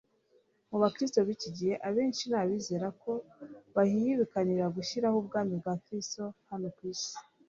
Mu bakristo b'iki gihe, abenshi ni abizera ko bahihibikanira gushyiraho ubwami bwa Kristo hano ku isi.